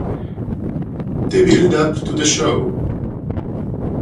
The build-up to the show